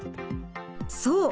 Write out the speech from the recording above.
そう！